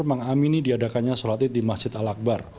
mengamini diadakannya sholat id di masjid al akbar